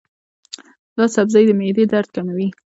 دا سبزی د معدې درد کموي.